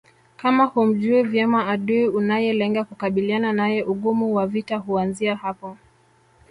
Kama humjui vyema adui unayelenga kukabiliana naye ugumu wa vita huanzia hapo